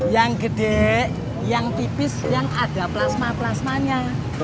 yang gede yang tipis yang ada plasma plasmanya